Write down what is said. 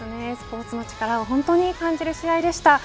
スポーツの力を本当に感じる試合でした。